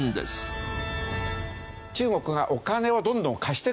中国がお金をどんどん貸してくれる。